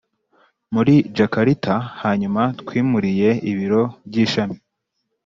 muri Jakarta Hanyuma twimuriye ibiro by ishami